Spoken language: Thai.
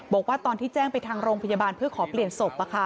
บอกว่าตอนที่แจ้งไปทางโรงพยาบาลเพื่อขอเปลี่ยนศพ